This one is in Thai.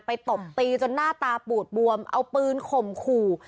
ตบตีจนหน้าตาปูดบวมเอาปืนข่มขู่